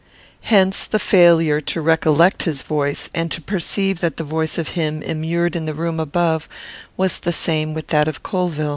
Hence the failure to recollect his voice, and to perceive that the voice of him immured in the room above was the same with that of Colvill.